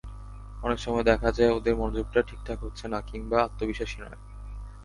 অনেক সময় দেখা যায় ওদের মনোযোগটা ঠিকঠাক হচ্ছে না, কিংবা আত্মবিশ্বাসী নয়।